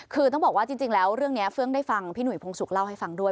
คือต้องบอกว่าจริงแล้วเรื่องนี้เฟื่องได้ฟังพี่หุยพงศุกร์เล่าให้ฟังด้วย